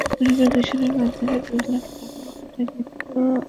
পরিবার বিকাশের মাধ্যমে দুই লাখ টাকাও পাঠায়, কিন্তু আবদুল্লাহর খোঁজ পাওয়া যায়নি।